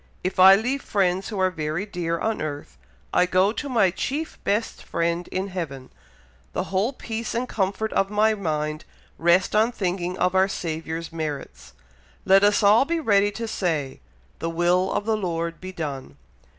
If I leave friends who are very dear on earth, I go to my chief best friend in heaven. The whole peace and comfort of my mind rest on thinking of our Saviour's merits. Let us all be ready to say, 'the will of the Lord be done.'